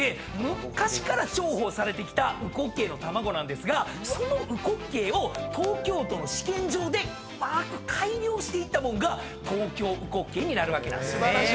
昔から重宝されてきた烏骨鶏の卵なんですがその烏骨鶏を東京都の試験場でうまーく改良していったもんが東京うこっけいになるわけなんですね。